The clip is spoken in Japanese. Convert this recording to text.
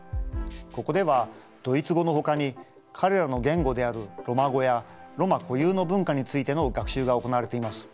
ここではドイツ語のほかに彼らの言語であるロマ語やロマ固有の文化についての学習が行われています。